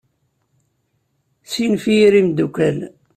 Ssinef i yir imeddukal.